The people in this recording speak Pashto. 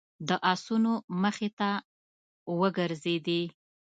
د آسونو مخې را وګرځېدې.